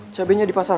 cabenya di pasar